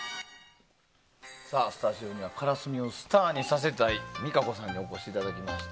さあ、スタジオにはからすみをスターにさせたい実可子さんにお越しいただきました。